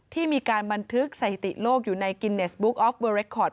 ที่มีการบันทึกสถิติโลกอยู่ในกินเนสบุ๊กออฟเวอเรคคอร์ด